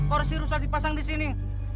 porsi rusak dipasang di sini